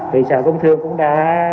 vì sở công thương cũng đã